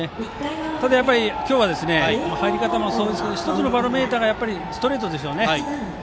ただ今日は入り方もそうですが１つのバロメーターはストレートでしょうね。